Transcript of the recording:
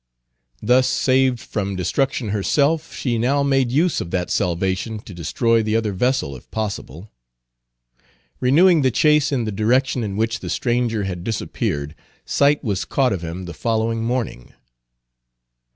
Thus saved from destruction herself, she now made use of that salvation to destroy the other vessel, if possible. Renewing the chase in the direction in which the stranger had disappeared, sight was caught of him the following morning.